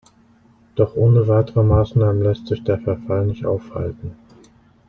Doch ohne weitere Maßnahmen lässt sich der Verfall nicht aufhalten.